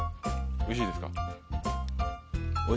おいしいですか？